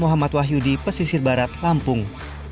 muhammad wahyudi pesisir barat lampung